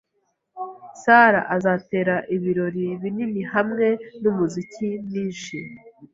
Sarah azatera ibirori binini hamwe numuziki mwinshi.